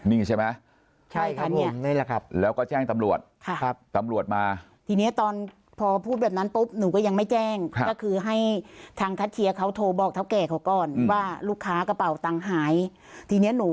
นี่ไงใช่ไหม